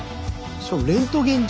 しかもレントゲンじゃん！